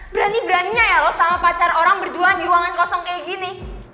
berani beraninya ya loh sama pacar orang berjualan di ruangan kosong kayak gini